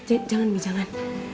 eh jangan bibi jangan